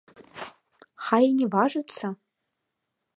Хай і не важыцца!